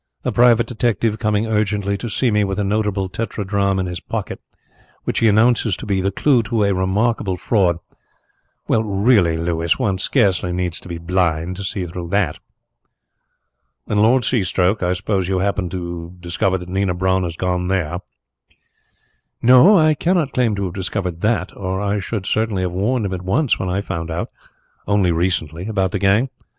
A private detective coming urgently to see me with a notable tetradrachm in his pocket, which he announces to be the clue to a remarkable fraud well, really, Louis, one scarcely needs to be blind to see through that." "And Lord Seastoke? I suppose you happened to discover that Nina Brun had gone there?" "No, I cannot claim to have discovered that, or I should certainly have warned him at once when I found out only recently about the gang.